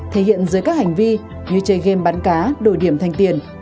thể hiện dưới các hành vi như chơi game bắn cá đổi điểm thành tiền